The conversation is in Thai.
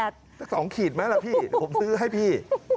สัก๒ขีดไหมล่ะพี่เดี๋ยวผมซื้อให้พี่